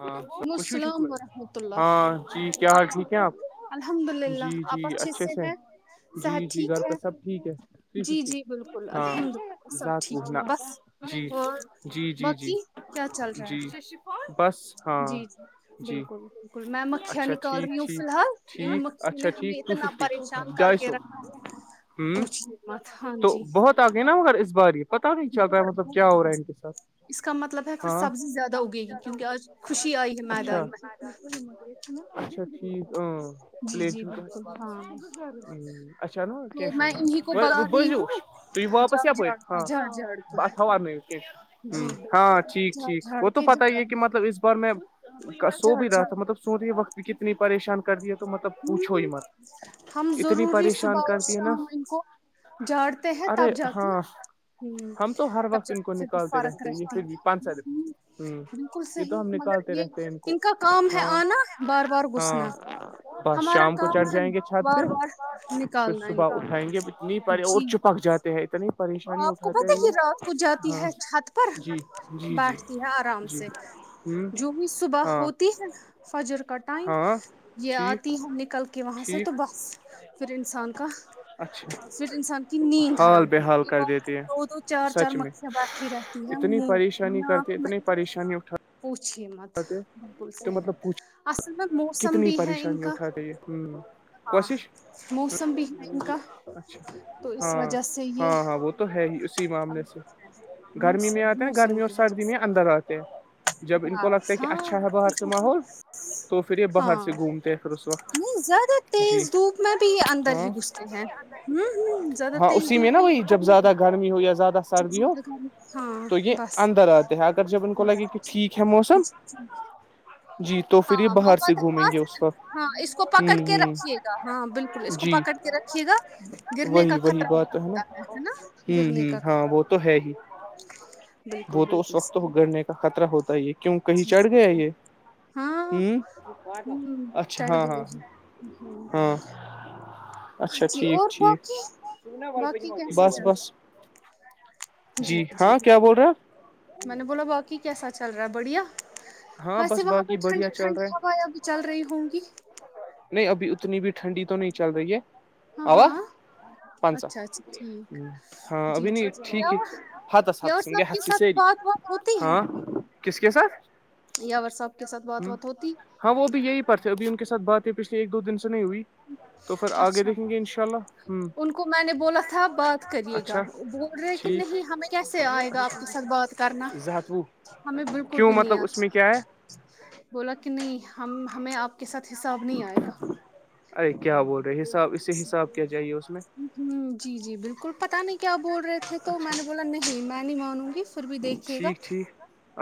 ہاں وعلیکم خوشی شک السلام ورحمۃ اللہ ہاں جی کیا حال ٹھیک ہیں آپ الحمد للہ جی جی آپ اچھے سے ہیں جی صحت جی گھر ٹھیک ہے پہ سب ٹھیک ہے تھری جی ففٹی جی بالکل ہاں الحمد للہ سب سات ٹھیک ہے وہنا بس جی اور جی جی جی باقی کیا چل رہا جی ہے بس ہاں جی جی بالکل بالکل میں مکھیاں اچھا نکال ٹھیک رہی ہوں ٹھیک فی الحال ان ٹھیک مکھیوں نے اچھا ٹھیک ہمیں ٹو اتنا ففٹی پریشان کر ڈائی کے سو رکھا ہے پوچھیے مت ہاں تو جی بہت پتا گ نا اگر اس بار یہ پتاہ نہیں چل رہا ہے بہت مطلب بہت کیا ہو بہت رہا ہے ان زیادہ۔ کے ساتھ اس کا مطلب ہے پھر ہاں سبزی زیادہ ہوگئے گی کیونکہ آج خوشی آئی ہے میدان اچھا میں اچھا ٹھیک ہ جی ل جی بالکل ہاں اچھا نو تو میں انہیں کو بلا بو رہی ہوں تو واپس جھاڑ پ جھاڑ کے ہاں جھاڑ جھاڑ کے ب آ ہہ ن ہ ہاں ٹھیک ٹھیک تو کہ پتا ہی جتا ہے کہ مطلب اس بار میں سو بھی رہا تھا مطلب سو رہے وقت بھی ک اتنی پریشان کر دیا تو مطلب پوچھو ہی ہ مت ہم اتنی ضروری پریشان صبح اور کرتی ہے نا شام ان کو جاڑتے ہیں ارے تب جا کے ہاں ہ ہم تو ہر تب وقت جب ان کو سے بھی نکالتے فرق رہتے ہیں یہ رہتی پھر بھی پانچ سال ہ بالکل یہ تو صحیح ہم مگر نکالتے یہ رہتے ہیں کو ان کا کام ہے ہاں آنا بار بار گھسنا ہاں بس ہمارا شام کو کام چڑھ ہے جائیں گے چھت پہ بار بار پھر نکالنا ان صبح کو اٹھائیں گے ات نہیں پڑے اور جی چپک جاتے ہے تو نہیں آپ کو پتا کہ رات کو جاتی ہے چھت پر جی جی جی بانٹتی ہے آرام جی سے ہوں جو بھی صبح ہاں ہوتی ہے فجر کا ٹائم ہاں یہ ٹھیک آتی ہے ن کلک وہاں سے ٹھیک تو بس پھر انسان کا اچھا ھر انسان کی نیند حال حرام بحال ب کر کو دیتے دو ہیں دو چار چار سچ میں مکھیاں بیٹھی رہتی ہے اتنی نک پریشانی ناک کرتے میں اتنی پریشانی اٹھا پوچھیے م تو مطلب پوچھ میں موسم کتنی بھی ہے ان پریشانی کا اٹھاتے یہ ہاں کوششچھ موسم بھی ہے ان کا تو اس ہاں وجہ سے یہ ہاں ہاں ب تو ہے ہی اسی معاملے سے گرمی میں موسم آتے ہیں نا موسم گرمی اور کی وجہ سردی میں سے اندر آتے ہیں جب ان کو لگتا ہے بس کہ ہاں ہاں اچھا ہے باہر سے بالکل ماحول تو پھر یہ باہر ہاں سے گھومتے ہیں پھر اس نہیں وقت زیادہ جی تیز دھوپ میں بھی یہ اندر ہاں ہی گھستے ہیں ہوں ہوں زیادہ ہاں تیز اسی میں دھوپ نا یہ وہی باہر جب نہیں زیادہ نکلتے گرمی ہو یا زیادہ سردی ہو کھانا ہاں تو کی بس اندر آج در جب ان کو لگے کہ ٹھیک ہے موسم جی تو پھر یہ ہاں باہر سے محبت اما گھومیں گے اس وقت ہاں اس کو ہ ہ پکڑ کے رکھیے گا ہاں بالکل اس کو جی پکڑ کے رکھیے گا گرنے کا وہی وہی خطرہ بھی بات ہے نا ہوں ہوتا ہے نا گرنے ہوں کا ہاں خطرہ وہ بھی تو ہے ہی ہوتا ہے، بالکل وہ تو اس بالکل وقت تو صحیح گڑنے کا خطرہ ہوتا ہی کیوں کہیں جی چڑھ جی گیا جی یہ ہاں ہوں ہ اچھا چڑھ ہاں گئے ہاں ہ ہاں ہاں اچھا جی ٹھیک اور ٹھیک باقی باقی کیسا بس چل بس رہا ہے جی ہاں کیا بول رہے ہیں میں نے بولا باقی کیسا چل رہا ہے بڑھیا ہاں ویسے بس وہاں پہ باقی ٹھنڈی بڑھیا چل ٹھنڈی رہا ہے ہوائں بھی چل رہی ہوں گی نہیں ابھی اتنی بھی ٹھنڈی تو نہیں چل رہی ہے ہاں آوا ہاں پانسا اچھا اچھا ٹھیک ہاں جی ابھی نہیں ٹھیک ہے ہاتس جیا ہاتس گئے سب کے ہات ساتھ سیری بات وات ہوتی ہے ہاں کس کےس ساتر یا ور صاحب کے ساتھ بات بات ہوتی ہاں وہ بھی یہی پر تھے ابھی ان کے سات بات یہ پچھل ایک دو دن سے نہیں ہوئی تو پھر آگے اچھا دیکھیں گے ان شاء اللہ ہ ان کو میں نے بولا تھا بات کریے گا اچھا بول رہے کہ ٹھیک نہیں ہمیں کیسے آئے گا آپ کے ساتھ اچھا بات کرنا زہت وہ ہمیں بالکل کیوں بھی نہیں مطلب اس آج میں کیا ہے بولا کہ نہیں ہم ہمیں آپ کے ساتھ حساب نہیں آئے گا ارے کیا بول رہے حساب اس سے حساب کیا چاہیے اس میں ہ جی جی بالکل پتہ نہیں کیا بول رہے تھ ھر تو میں اچھا نے بولا نہیں میں نہیں مانوں گی پھر بھی دیکھیے گا ٹھیک ٹھیک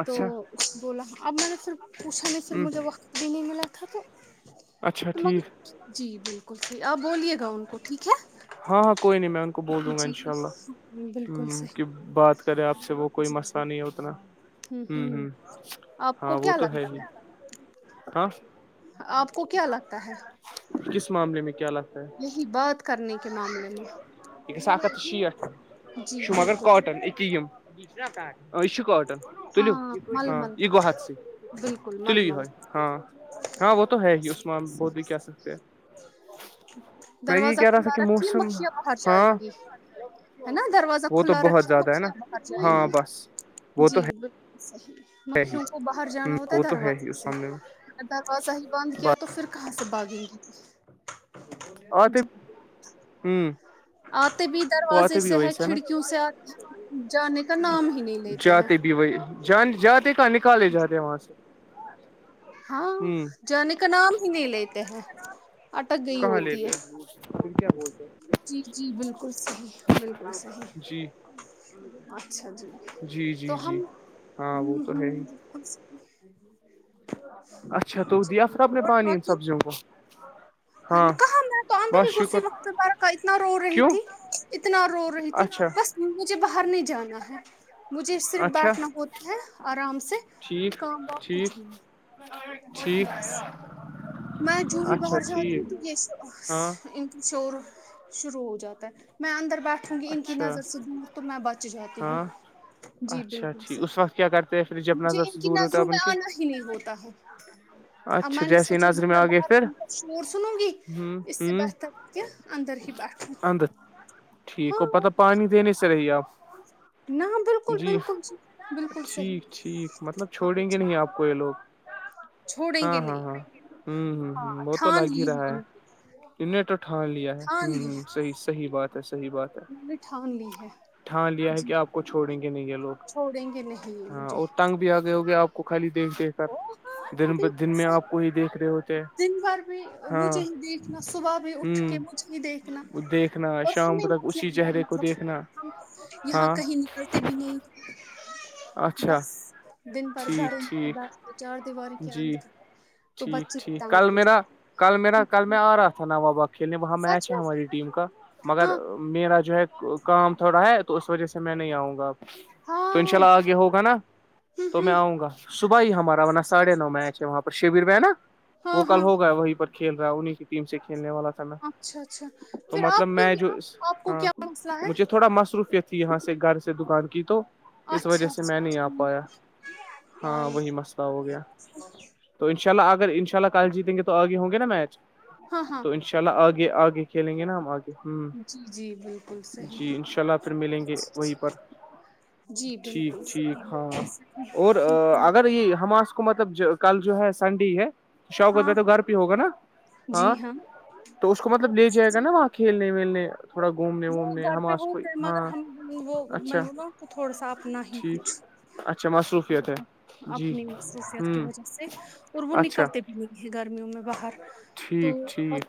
اچھا تو بولا اب میں نے پھر پوچھا نہیں پھر ہ مجھے وقت بھی نہیں ملا تھا تو اچھا تو ٹھیک مگر جی بال جی آپ بولیے گا ان کو ٹھیک ہے ہاں ہاں کوئی نہیں میں ان کو بول دوں گا جی ان شاء اللہ ہ بالکل کہ صحیح بات کرے آپ سے وہ کوئی جی جی مسئلہ نہیں ہے اتنا ہوں ہ آپ کو ہاں وہ کیا تو ہے لگتا ہی ہاں آپ کو کیا لگتا ہے کس معاملے میں کیا لگ یہی بات کرنے کے معاملے میں یہس ا ہت شیٹ جی جو مگر بالکل کاٹن ا یہ کاٹن لیو ہاں مل ہاں مل یہ کا گوحات سے بالکل مل تلیو یہ مل ہو کا۔ ہاں ہاں وہ تو ہے ہی عثمان بود بھی کیا سکتے ہیں میں یہ دروازہ کہہ رہا تھا کھلا کہ رکھیے موسم مکھیاں باہر ہاں جائیں گی ہے نا دروازہ وہ تو کھلا بہت رکھے زیادہ ہے نا میا باہر جائے ہاں گ بس وہ تو جی ہے بک صحیح مکھیوں کو باہر جانا ہوتا ہے وہ تو ہی دروازے اس سے سامنے میں دروازہ ہی بند کیا بس تو پھر کہاں سے بھاگیں گی تھی اور تو ہوں آتے بھی دروازے سے ہے کھڑکیوں سے آتے جانے کا نام ہی نہیں لیتے ہیں وہ جان جاتے کہ نکالے جاتے وہاں سے ہاں ہوں جانے کا نام ہی نہیں لیتے ہیں اٹک گئی کہاں ہوتی ہے لیتے پھر کیا بولتے جی جی بالکل صحیح بالکل صحیح جی اچھا جی جی جی جی ہاں وہ تو ہے ہی اسچ اچھا تو دیا چلیے، پھرپ نے اور پانی باقی سبزیوں کو ہاں کہاں میں تو اندر ہی بس گسی شکر وقتارہ کا اتنا رو رہی کیوں تھی اتنا رو رہی تھی اچھا بس مجھے باہر نہیں جانا ہے مجھے صرف اچھا بیٹھنا ہوتا ہے آرام سے ٹھیک کام وغ کچھ ٹھیک بھی نہیں ٹھیک بس میں جو ہی اچھا باہر جاتی ہوں ٹھیک تو ہاں یہ ان کی شو روم شروع ہو جاتا ہے میں اندر بیٹھوں گی ان کی اچھا نظر سے دور تو میں بچ جاتی ہوں ہاں جی اچھا بالکل ٹھیک سر اس وقت کیا کرتے ہیں پھر جب مجھے نظر ان سے کی دور ہوتا ہے نظروں اب ان میں کے آنا ہی نہیں ہوتا ہے اب اچھا میں نے جیسے سوچا جو نظم میں آ گئے باہر پھر ہ ان کا شور سنوں گی اس سے بہتر کہ اندر ہی بیٹھوں ہند ٹھیک ہاں ہو پتا پانی دینے سے رہیے آپ نہ بالکل جی بالکل بالکل ٹھیک صحیح ٹھیک مطلب ہاں چھوڑیں گے جی نہیں آپ کوئی لوگ چھوڑیں ہاں گے ہاں نہیں ہاں ہ ہ ہاں ہ وہ تو ٹھان لگ ہی لی رہا ہے ان کی انٹ اٹھان لیا ہے ہ ٹھان لی ہے ہ صحیح بات ہے صحیح بات ہے نے ھان لی ہے تھٹھان لیا ہے جی کہ آپ کو چھوڑیں گے نہیں یہ لوگ چھوڑیں گے نہیں یہ ہاں مجھے اور تنگ بھی آگئے ہو گے آپ کو خالی دیکھ دیکھ او ہاں کر دن بالکل دن میں آپ کو یہ دیکھ رہے ہوتے دن بھر بھی ہاں مجھے ہی دیکھنا صبح بھی اٹھ کے ہ مجھے ہی دیکھنا دیکھنا اور شام ہمیں تک مت اسی یہاں پر چہرے کو مطلب دیکھنا ہم یہاں ہاں کہیں نکلتے بھی نہیں اچھا بس دن پر گھروں ٹھیک ٹھیک دس چار دیواری کے جی اندر تو ب ٹھیک ٹھیک کل میرا کل میرا کل میں آ رہا تھا نا واباغ کھیلنے وہاں سچ میچ ہے ہماری ٹیم کا مگر میں میرا جو ہے کام تھوڑا ہے تو اس وجہ سے میں نہیں آؤں گا آپ تو ہاں ان شاء ہاں اللہ آگے ہوگا نا تو میں آؤں گا صبح ہی ہمارا ساھے نو میچ ہے وہاں پر شبر میں ہے نا وہ ہاں کل ہاں ہوگا وہیں پر کھیل رہا ہے انہیں کی ٹیم سے کھیلنے والا اچھا اچھا تو پھر مطلب آپ کیوں میں جو نہیں آپ کو ہاں کیا مسئلہ ہے مجھے تھوڑا مصروفیت یہاں سے گھر سے دکان کی تو اس وجہ اچھا سے اچھا میں نہیں آ ٹھیک پایا ہاں وہی مسئلہ ہو گیا ہاں تو ان شاء اللہ اگر ان شاء اللہ کل جیتیں گے توگے ہوں گے نا میچ ہاں ہاں تو اناءلہ چا آگے آگے کھیلیں گے نا ہم آگے ہ جی جی بالکل جی صحیح انشاء اللہ پھر ملیں گے اچھا وہیں اچھا پر جی ٹھیک بالکل ٹھیک صحیح ہاں بالکل اور صحیح اگر یہ ہمار کو مطلب کل جو ہے سنڈے ہے شوق ہاں میں تو گھر پہ ہوگا نا ہاں تو اس کو مطلب لے جائے گا نا وہاں کھیلنے ویلنے تھوڑا گھومنے وہ وومنے گھر پہ ہماس کوئی ہوتے ہیں مگر ہاں ہم وہ اچھا منونا کو تھوڑا سا اپنا ہی ٹھیک کچھ اچھا مصروفیت ہے جی خوصت کی ہوں وجہ سے اور وہ اچھا نکلتے بھی نہیں ہے گرمیوں میں باہر تو ٹھیک ب ٹھیک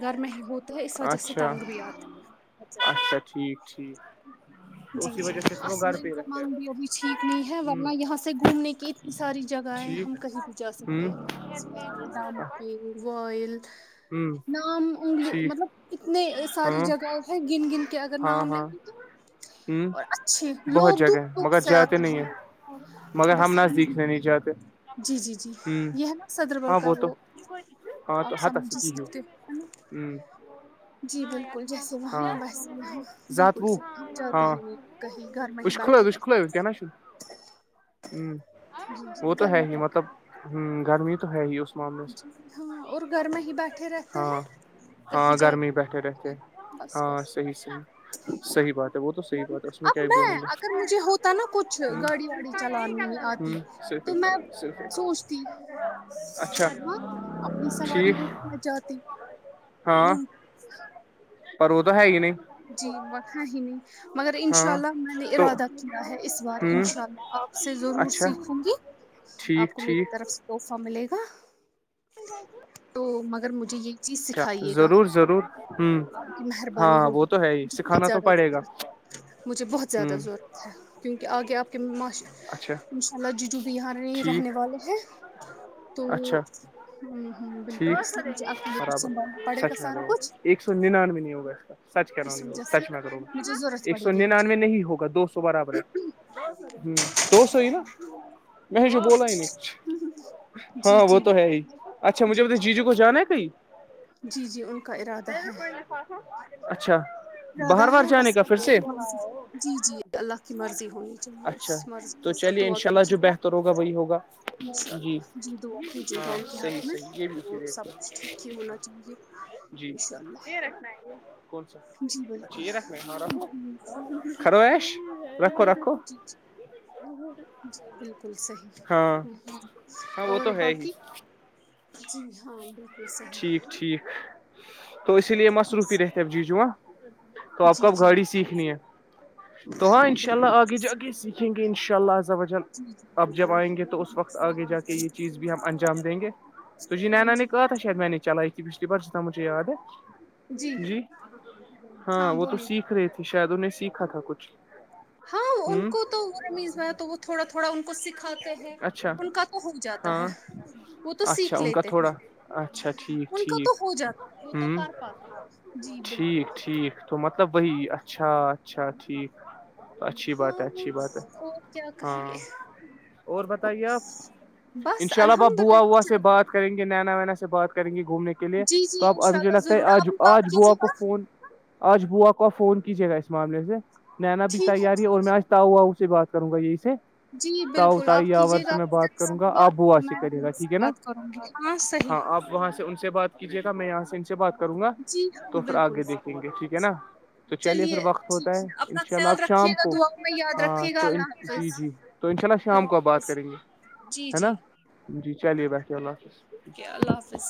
گھر میں ہی ہوتا ہے اس وجہ سے اچھا تنگ بھی آتی اچھا ٹھیک ٹھیک تو جی اسی جی وجہ سے پھر وہ گھر آصمین پہ ہی رہتے ہیں سامان بھی ابھی ٹھیک نہیں ہے ورنہ ہ یہاں سے گھومنے کی ا یہ ساری جگہیں ٹھیک ہم کہیں بھی جا سکتے ہیں ہم ہ دامک وائل ہوں نام انگلی جی مطلب اتنے ساری ہاں جگہ ہے گن گن کے اگر ہاں نام لیں ہاں گے تو ہوں بہت دور جگہ دور مگر سے جاتے آتے نہیں ہیں مگر ہم ن دیکھنے نہیں چاہتے جی جی جی ہ یہ ہے نا صدر بل ہاں کا وہ تو ہاں تو آپ ہتس سے سمجھ ہی کہ ہو سکتے ہے نا ہوں جی بالکل جیسے وہاں ہاں ویسے وہاں بالکل زاتوُ ص جاتے ہاں ہیں نہیں کہیں گھر میں ہی وش بیٹھے کھلٲوِتھ گ ہ وہ تو ہے ہی مطلب ہ گرمی تو ہے ہی اس معاملے سے جی ہاں اور گھر میں ہی بیٹھے رہتے ہیں ہاں کہیں ہاں جا گرمی بیٹھے رہتے بس ہاں بس صحیح صحیح صحیح بات ہے وہ تو صحیح بات ہے اس اب کیا ہی میں بولیں گے اگر مجھے ہوتا نا کچھ ہوں گاڑی واڑی چلانی آتی ہوں صرف تو ایک میں کلر صرف ک سوچتی اچھا ہاں اپنی سواری ٹھیک ہو نہ جاتی ہاں گھوم پر وہ تو ہے ہی نہیں جی وقاں ہی نہیں مگر انشاء ہاں اللہ میں نے تو ارادہ کیا ہے اس بار ہوں انشاء اللہ آپ سے ضرور اچھا سیکھوں گی آپ ٹھیک کو میری ٹھیک طرف صوفہ ملے گا تو مگر مجھے یہ چیز اچھا سکھائیے گا ضرور ضرور ہوں آپ کی مہربانی ہاں وہ تو ہے ہی ہوگی سکھانا تو زیادہ پڑے گا مجھے بہت زیادہ ہوں ضرورت ہے کیونکہ آگے آپ کے معاش اچھا ان شاء اللہ جی جو بہار رہنے ٹھیک والے ہیں تو اچھا ہوں ہوں بالکل ٹھیک اس لیے مجھے اکیے کچھ برابر سنبھ پڑے گا سچ میں سارا کرو کچھ ایک سو ننانوے نہیں ہوا اس کا سچ کہ اس رہا وجہ سے سچ نہ کروں مجھے ضرورت ایک پڑے سو گی ان ننانوے چیز نہیں ہوگا دو سو برابر ہے ہ تو سحئی نا میں جو بولا ہی نہیںچ جی ہاں وہ جی تو ہے ہی اچھا مجھے جی جو کو جانا ہے کہئی جی جی ان کا ارادہ ہے اچھا ارادہ باہر باہر ہیں جانے بس کا پھر اللہ سے کی مرضی جی جی اللہ کی مرضی ہونی چاہیے اچھا اس مرض تو چلیے ان شاء اللہ جو بہتر ہوگا وہی ہوگا انشاء جی اللہ دعا کیجیے گا ہاں ان کے حق میں صحیح وہ سب کچھ ٹھیک ہی ہونا چاہیے جی انشاء اللہ یہ رنا ہے کون سا جی بالکل اچھا یہ رکھ ہم، رکھو خروش رکھو رکھو جی جی جی بالکل صحی ہاں ہ ہاں ہ وہ اور تو ہے ہی باقی اچھ بھی ٹھیک ٹھیک تو اسی لیے مصروفی رہتے اب جی ج ہاں تو آپ جی کوب جی گھڑی سیکھنی ہے تو ہاں ان شاء اللہ آگے جا کے سیکھیں گے انشاء اللہ الزوجل جی جی اب جب بالکل آئیں گے تو اس وقت آگے جا کے یہ چیز بھی ہم انجام دیں گے مجھے ہاں نینا نے جی کہا تھا شاید میں نے چلائی تھی پچھلی بار جتنا مجھے یاد ہے جی ہاں وہ تو سیکھ رہی تھی شاید انہیں سیکھا تھا کچھ ہاں ان ہوں کو تو وہ رمیش بھائی تو وہ تھوڑا تھوڑا ان کو سکھاتے ہیں اچھا ان کا تو ہو جاتا ہے ہاں وہ تو اچھا سیکھ ان کا لیتے تھوڑا اچھا ٹھیک ان کا ٹھیک تو ہو جاتا وہ تو ہوں کر پاتے جی بالکل ٹھیک ٹھیک تو مطلب وہی اچھا اچھا ٹھیک اچھی ہاں بات ہے اچھی بات ہے اور کیا کہیے ہاں اور بتائیے آپ ان بس شاء اللہ اب اپ الحمد بوا ہوا سے للہ بات کریں گے نینا وینا سے بات کریں گے گھومنے کے لیے جی تو جی آپ ان شاء مجھے اللہ لگتا ہے ضرور آج آپ بھی آج بات بوا کیجیے کو گا فون آج بوا کو فون کیجیے گا اس معاملے میں نینا بھی تیار ہی ہے اور میں آج بتا سے بات کروں گا یہی سے جی تاؤ بالکل تائی آپ یاور کیجیے سے گا میں اپنی بات طرف سے کروں گا بھی اپ بات تو بوا سے میں بھی کریے گا ان سے ٹھیک ہے نا بات کروں گی صحیح ہاں آپ وہاں سے ان سے بات کیجیے گا میں یہاں سے ان سے بات کروں گا جی تو ہاں پھر بالکل آگے دیکھیں گے ٹھیک صحیح ہے نا تو چلیے پھر وقت ٹھیک ہوتا ہے ان اپنا شاء اللہ خیال آب رکھیے شام گا کو دعاؤں میں یاد ہاں رکھیے گا تو اللہ جی حافظ جی تو انشاء اللہ شام کو آب بات کریں گے جی ہے نا جی جی چلیے بٹھے اللہ حافظ اوکے اللہ حافظ